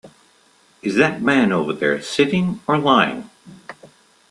Is that man over there sitting or lying?